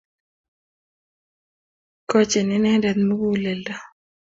'Gochi Inendet muguleldo